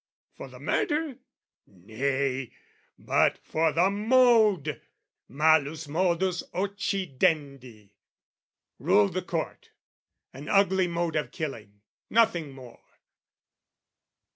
For the murder? Nay, but for the mode! Malus modus occidendi, ruled the Court, An ugly mode of killing, nothing more!